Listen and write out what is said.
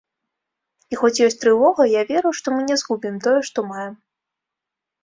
І хоць ёсць трывога, я веру, што мы не згубім тое, што маем.